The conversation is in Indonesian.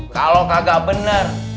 kalo kagak bener